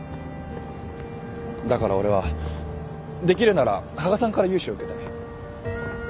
だから俺はできるなら羽賀さんから融資を受けたい。